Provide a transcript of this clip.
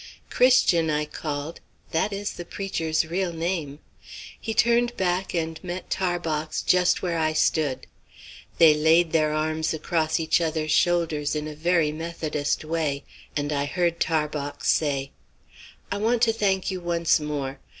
"Christian!" I called that is the preacher's real name. He turned back and met Tarbox just where I stood. They laid their arms across each other's shoulders in a very Methodist way, and I heard Tarbox say: "I want to thank you once more.